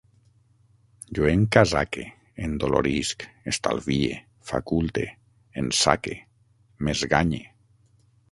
Jo encasaque, endolorisc, estalvie, faculte, ensaque, m'esganye